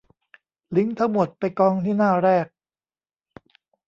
ลิงก์ทั้งหมดไปกองที่หน้าแรก